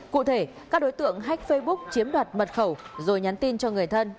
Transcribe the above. cụ thể các đối tượng hách facebook chiếm đoạt mật khẩu rồi nhắn tin cho người thân